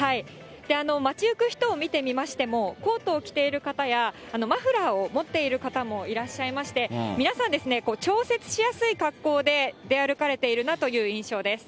街行く人を見てみましても、コートを着ている方や、マフラーを持っている方もいらっしゃいまして、皆さんですね、調節しやすい格好で出歩かれているなという印象です。